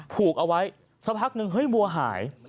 ผูกเอาไว้สักพักหนึ่งเฮ้ยวัวหาย